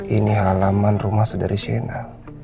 ini halaman rumah saudari shena